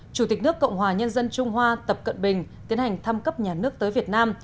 chủ tịch nước cộng hòa nhân dân trung hoa tập cận bình tiến hành thăm cấp nhà nước tới việt nam